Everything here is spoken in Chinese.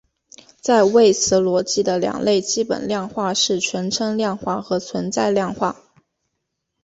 在谓词逻辑的两类基本量化是全称量化和存在量化。